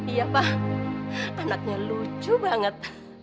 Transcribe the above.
iya wah anaknya lucu banget